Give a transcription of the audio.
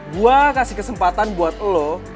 gue kasih kesempatan buat lo